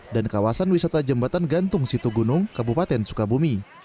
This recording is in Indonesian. dan kawasan wisata jembatan gantung situ gunung kebupaten sukabumi